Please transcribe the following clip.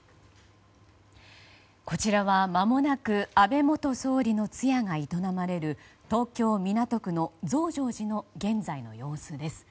こちらはまもなく安倍元総理の通夜が営まれる東京・港区の増上寺の現在の様子です。